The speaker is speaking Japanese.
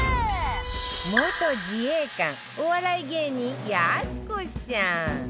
元自衛官お笑い芸人やす子さん